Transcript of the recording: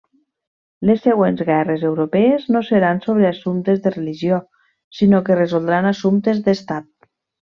Les següents guerres europees no seran sobre assumptes de religió, sinó que resoldran assumptes d'estat.